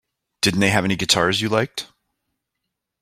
Didn't they have any guitars you liked?